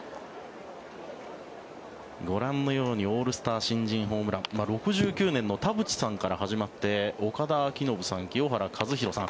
ご覧のようにオールスター新人ホームラン１９６９年の田淵さんから始まって岡田彰布さん、清原和博さん